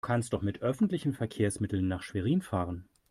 Du kannst doch mit öffentlichen Verkehrsmitteln nach Schwerin fahren